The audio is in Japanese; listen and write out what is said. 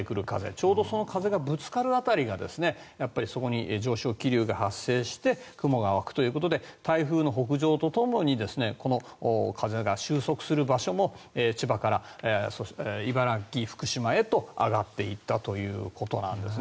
ちょうどその風がぶつかる辺りがそこに上昇気流が発生して雲が湧くということで台風の北上とともにこの風が収束する場所も千葉から茨城、福島へと上がっていったということです。